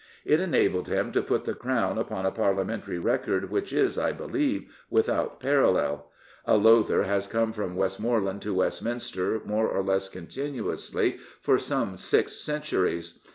It enabled him to put the crown upon a Parliamentary record which is, I believe, without parallel. A Lowther has come from Westmorland to Westminster more or less continuously for some six centuries.